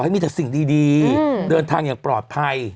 มีแต่สิ่งดีเดินทางอย่างปลอดภัย